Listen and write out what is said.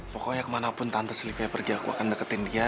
pokoknya kemanapun tante sliva pergi aku akan deketin dia